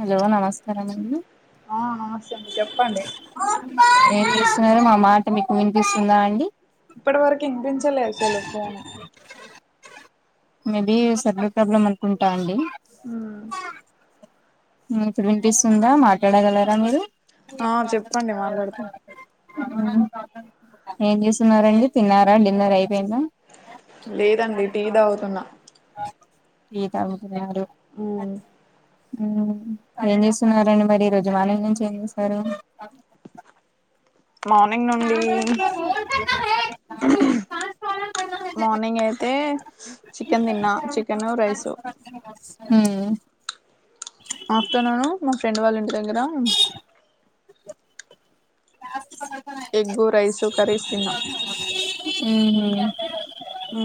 Hello నమస్కారమండి డి చెప్పండి ఏం చేస్తున్నరు మా మాట మీకు వినిపిస్తుందా అండి ఇప్పడి వరకి వినిపించలేదు అసలు ఫోను మేబి సిగ్నల్ ప్రాబ్లమ్ అనుకుంటా అండీ ఉం ఇప్పుడు వినిపిస్తుందా మాట్లాడగలరా మీరు ఆ చెప్పండి మాట్లాడతాం ఏం చేస్తున్నారండి తిన్నారా డిన్నర్ అయిపోయిందా లేదండి టీ దాగుతున్నా టి తాగుతున్నారు ఉమ్ ఉ ఎం చేస్తున్నారండి మరి ఈరోజు మార్నింగ్ నుంచి ఏం చేశారు మార్నింగ్ నుండి [inaudible] మార్నింగ్ అయితే చికెన్ తిన్నా చికెను రైసు ఉమ్ ఆఫ్టేర్నూన్ మా ఫ్రెండ్ వాళ్ళ ఇంటి దగ్గర ఎగ్గు రైసు కర్రీస్ తిన్నా ఊ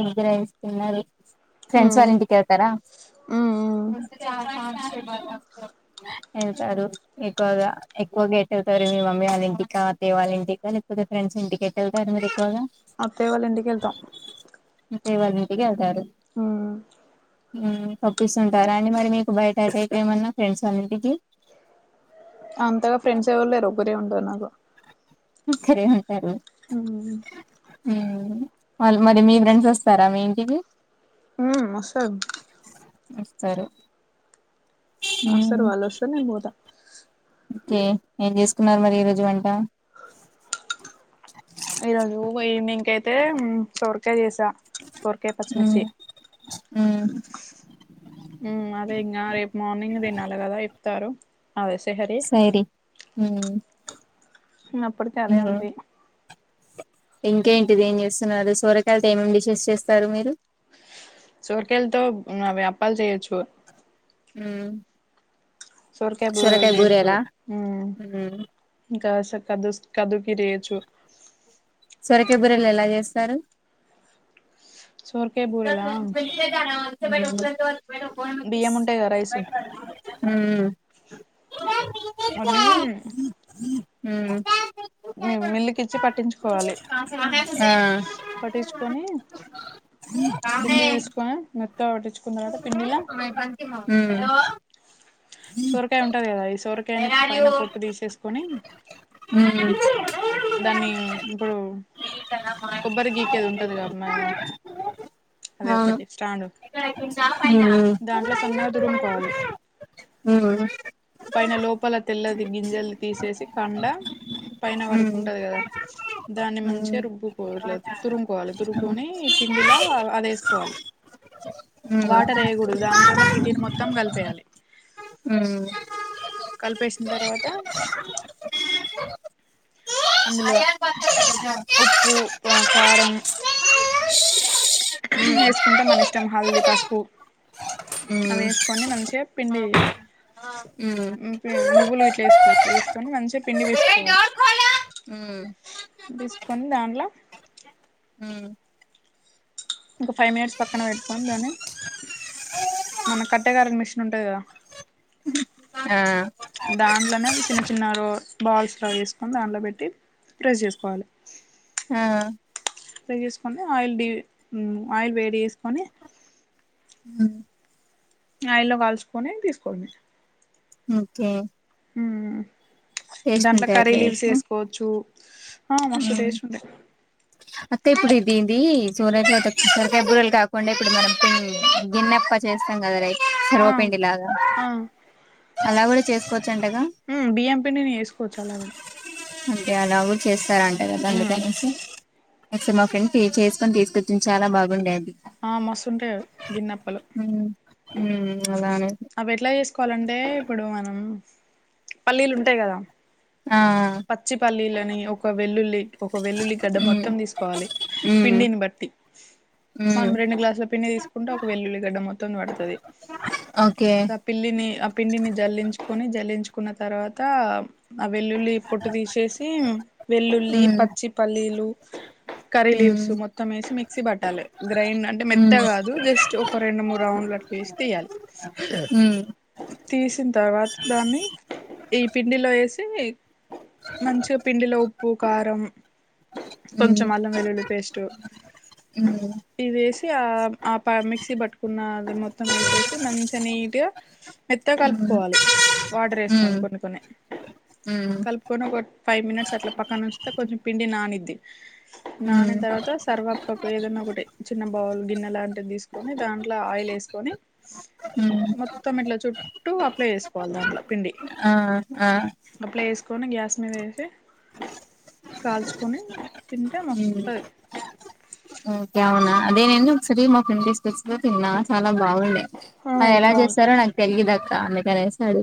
ఎగ్ రైస్ తిన్నారు ఫ్రెండ్స్ ఉమ్ వాళ్ళ ఇంటికి వెళ్తారా ఉమ్ ఉమ్ వెళ్తారు ఎక్కువగా ఎక్కువగా ఎటుళ్తారు మీ మమ్మీ వాళ్ళ ఇంటికా అత్తయ్య వాళ్ళ ఇంటికా లేకపోతే ఫ్రెండ్స్ ఇంటికి కా ఎటు ఎల్తారు మీరు ఎక్కువగా అత్తయ్య వాల్ల ఇంటికి వెళ్తా అత్తయ్య వాళ్ళ ఇంటికి వెళ్తారు ఉమ్ తప్పిస్తుంటారా అండి మరి మీకు బయట అటెటు ఏమన్నా ఫ్రెండ్స్ వాళ్ళ ఇంటికి అంతగా ఫ్రెండ్స్ ఎవరు లేరు ఒకరే ఉండారు నాకు ఒకరే ఉంటారు ఉమ్ ఉమ్ వాళ్ళు మరి మీ ఫ్రెండ్స్ వస్తారా మీ ఇంటికి ఉమ్ మాసెబ్ సరే వస్తారు వాళ్ళు వస్తే నేన్ పోత ఒకే ఏం చేసుకున్నారు మరి ఈరోజు వంట ఈరోజు వాయినింగ్ కైతే సొరికాయ చేస్ స్త సొరకాయ్య మ్మ్ పచ్చిమిర్చి మ్మ్ ఉమ్ అదే ఇంకా రేపు మార్నింగ్ తినాలి కదా ఇప్తారు అదే సెహరి ఉమ్ ఉమ్ అప్పటికి అదే ఉంది ఇంకేంటిది ఏం చేస్తున్నారు సోరకాయలతో ఏమేమి డిషెస్ చేస్తారు మీరు సోరికాయలతో అవ్వి అప్పాలు చేయచ్చు ఉమ్ సొరకాయ్ బూరెలు చేయచ్చు ఉమ్ మ్మ్ విస కదు కదుగి చేయచ్చు సొరకాయ బుర్రెలు ఎలా చేస్తారు సోరకాయ బూరెలా [inaudible] బియ్యము ఉంటాయిగ రైసు [unintelligible] అని ఉమ్ మి మిల్లుకి ఇచ్చి పట్టించుకోవాలి ఆ పట్టించుకొని పిండి ఉమ్ తీసుకొని మెత్తగా పట్టించుకున్న తర్వాత పిండిలా హలో సొరకాయ ఉంటంది కదా ఈ సొరకాయని పైన పొట్టు తీసేసుకొని ఉమ్ దాన్ని ఇప్పుడు కొబ్బరి గీకేదుంటది కదమ్మా అదే ఒకటి స్టాండ్ మ్మ్ అవును దాంట్లో సన్నగా దురుమ్కోవాలి మ్ పైన లోపల తెల్లది గింజలు తీసేసి కండ పైన వరకు మ్మ్ మ్మ్ ఉంటది కదా దాన్ని మ్మ్ మంచిగా రుబుకోల తురుమ్కోవాలి మ్మ్ తురుమ్కొని పిండిలా అదేస్కోవాలి మ్మ్ మ్మ్ మ్మ్ మ్మ్ మ్మ్ వాటర్ వేయకూడదు దాంతోనే పిటిని మొత్తం కలిపేయాలి మ్ కల్పేసిన తర్వాత అందులో ఉప్పు ప కారం వేసుకుంటే మన ఇష్టం హల్దీ పసుపు అవి వేస్కొని మంచిగా పిండి నువ్వులు ఇట్లా వేసుకోవచ్చు వేస్కొని మంచిగా పిండి పిసుక్కోవాలి మ్మ్ మ్మ్ పీసుక్కొని దాండ్ల మ్ ఒక ఫైవ్ మినిట్స్ పక్కన పెట్టుకొని దాన్ని మన కట్టే కాలే మిషనుంటది కదా ఆ దాంట్లోనే చిన్న చిన్న రో బాల్స్ లో వేసుకొని దాంట్లో పెట్టి ప్ర్రె చేస్కోవాలె ఆ ఫ్రై చేసుకొని ఆయిల్ డి ఆయిల్ వేడి చేస్కొని మ్ ఆయిల్లో కాల్చుకొని తీసుకోడమే ఓకే మ్ టేస్ట్ దాంట్లో ఉంటాయి అట్లా కర్రీలీవ్స్ చేస్తే. వేస్కోవచ్చు హ మస్తుటేస్టుంటాయ్ అతే ఇప్పుడు ఇ దీంది సోరత సోరకాయ బురలు కాకుండా ఇప్పుడు మనం గిన్నెప్ప చేస్తాం కదా రై ఆ సర్వపిండి లాగా ఆ అలా కూడా చేస్కో మ్ బిఎం పిండిని ఎస్కోవచ్చు అలా కూడా అంటే అలాగో చేస్తారంట కదా అందుకనేసి నే మా ఫ్రెండ్స్ చేస్కొని తీస్కొచ్చింది చాలా బాగుండే అది ఆ మస్తుంటాయ్ అవి గిన్నప్పలు మ్ అవి ఎట్లా చేస్కోవాలంటే ఇప్పుడు మనం పల్లీలుంటాయి కదా ఆ! పచ్చిపల్లీలని ఒక వెల్లుల్లి ఒక వెల్లుల్లి గడ్డ మొత్తం హ్మ్. తీస్కోవాలి హ్మ్. పిండిని బట్టి మనం హ్మ్. రెండు గ్లాసుల పిండి తీస్కుంటే ఒక వెల్లుల్లిగడ్డ మొత్తం పడ్తది ఓకే. ఆ పిల్లిని ఆ పిండిని జల్లించ్కొని జల్లించుకున్న తర్వాత ఆ వెల్లుల్లి పొట్టు తీసేసి వెల్లుల్లి హ్మ్. పచ్చిపల్లీలు కర్రీ లీవ్స్ హ్మ్. మొత్తం వేసి మిక్సీ పట్టాలి గ్రైండ్ అంటే మెత్త హ్మ్. గాదు జస్ట్ ఒక రెండు మూడు రౌండ్లు అట్ట వేసి తీయ్యాలి మ్ తీసిన తర్వాత దాన్ని ఈ పిండిలో ఏసీ మంచిగ పిండిలో ఉప్పు కారం కొంచెం హ్మ్. అల్లంవెల్లుల్లి పేస్టు హ్మ్. ఇవేసి ఆ ఆ మిక్సీ పట్టుకున్నది మొత్తం ఏసేసి మంచి నీట్గా మెత్త హ్మ్. కల్పుకోవాలి వాటర్ వేసుకొని ఉమ్ కొన్ని కొన్ని ఉమ్ కలుపుకొని ఒక ఫై మినిట్స్ అట్లా పక్కన ఉంచితే కొంచం పిండి నానిద్ది ఉమ్ నానిన తర్వాత సర్వప్పకు ఏదనా ఒకటి చిన్న బౌల్ గిన్నె లాంటిది తీసుకొని దాంట్ల ఆయిల్ లెస్కొని ఉమ్ మొత్తం ఇట్లా చుట్టూ అప్లై చేసుకోవాలి దాంట్ల పిండి ఆ ఆ అప్లై ఎస్ కొని గ్యాస్ మీద ఏసీ కాల్చుకొని తింటే ఉమ్ మస్తుంటది అది నేను సిరి మో [unintelligible] తెస్మో తిన్నా చాలా బాగుండే ఆ అవి ఎలా బాగుంటది చేస్తారో నాకు తెలిదక్క అందుకనేసాడు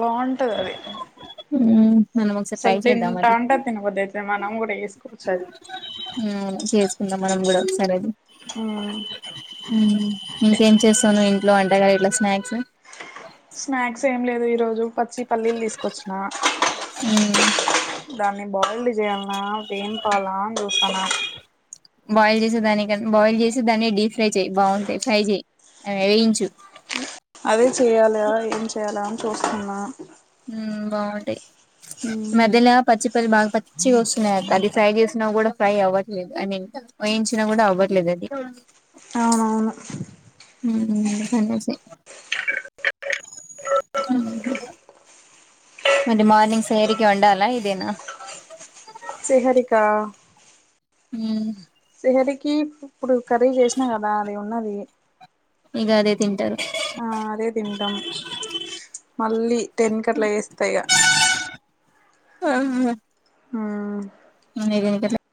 బౌంటది అది మ్ అసల్ తింటా అంటే తినభూదైతది మనం కుడా ఎస్ హ్మ్ చేసుకుందాం మనం కూడా సరేనా ఉమ్ మ్ ఇంకేం చేసావ్ నువ్ ఇంట్లో ఒంట కాయలు స్నాక్స్ స్నాక్స్ ఏం లేదు ఈరోజు పచ్చి పల్లీల్ తీసుకొచ్చిన ఉమ్ దాన్ని బాయిల్డ్ చేయాల్నా వేంపాలా అని చూస్తానా బాయిల్ చేసే దాని కన్ బాయిల్ చేసే దాన్ని డీప్ ఫ్రై చేయి బౌంటాయి ఫ్రై చేయి అ వెంచు అదే చెయాలా ఏం చెయాలా అని చూస్తున్నా హ్మ్ బాహుంటయి ఉమ్ మధ్యలా పచ్చి పల్లి బాగా పచ్చి ఒసున్నాయి అది ఫ్రై చేసిన కూడా ఫ్రై అవట్లేద్ ఐ మీన్ వెంచిన కూడా అవ్వట్లేదు అది అవునవును హ్మ్ [inaudible] హ్మ్ హ్ మరి మార్నింగ్ సార్ కి ఒండాలా ఇదేనా సెహరికా ఉమ్ సెహరి ఇప్ ఇప్పుడు కర్రీ చేసినా కదా అది ఉన్నది ఇగ అదే తింటా ఆ అదే తింటాం మళ్ళీ టెన్ కట్లా చేస్తా ఇగ ఆ ఆ [unintelligible]